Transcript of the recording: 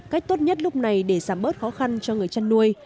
cách tốt nhất lúc này để giảm bớt khó khăn cho người chăn nuôi